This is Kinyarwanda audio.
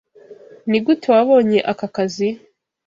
Nigute wabonye aka kazi?